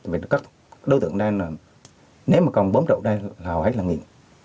vì các đối tượng đang nếu mà còn bóm trộn ra là họ hết là nghiệp